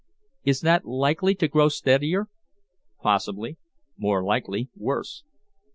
"Is that likely to grow steadier?" "Possibly more likely worse."